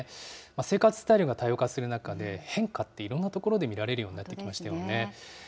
生活スタイルが多様化する中で、変化っていろんなところで見られるようになってきましたよね。